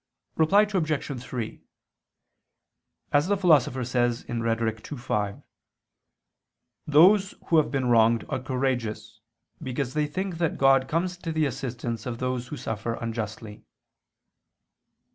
Reply Obj. 3: As the Philosopher says (Rhet. ii, 5) "those who have been wronged are courageous, because they think that God comes to the assistance of those who suffer unjustly."